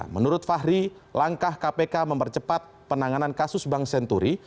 menurut fahri langkah kpk mempercepat penanganan kasus bank senturi